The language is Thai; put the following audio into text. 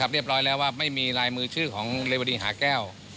เรียบร้อยแล้วว่าไม่มีลายมือชื่อของเรวดีหาแก้ว